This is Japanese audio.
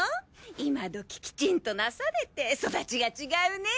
今どききちんとなされて育ちが違うね。